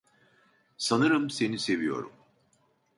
Sanırım seni seviyorum.